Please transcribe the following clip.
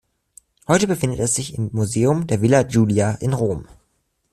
Heute befindet es sich im Museum der Villa Giulia in Rom.